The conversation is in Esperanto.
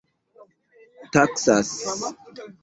taksas